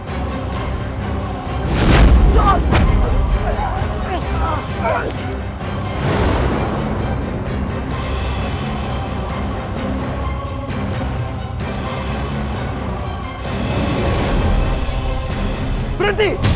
anda harus menghadapi siapa